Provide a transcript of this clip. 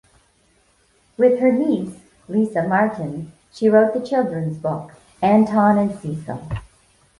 With her niece, Lisa Martin, she wrote the children's book, "Anton and Cecil".